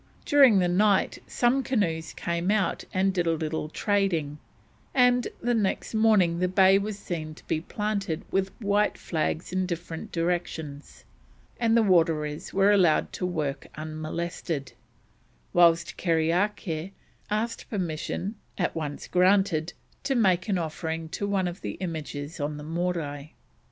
During the night some canoes came out and did a little trading; and the next morning the bay was seen to be planted with white flags in different directions, and the waterers were allowed to work unmolested, whilst Kerriakair asked permission, at once granted, to make an offering to one of the images on the Morai.